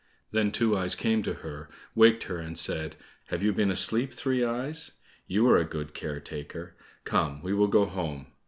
Then Two eyes came to her, waked her and said, "Have you been asleep, Three eyes? You are a good care taker! Come, we will go home."